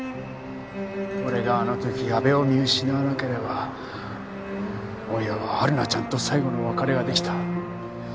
俺があの時阿部を見失わなければ大岩は春菜ちゃんと最後の別れが出来た。